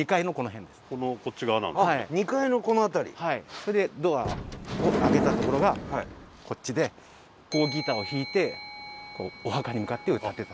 それでドアを開けたところがこっちでこうギターを弾いてお墓に向かって歌ってた。